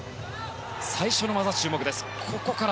最初の技に注目です。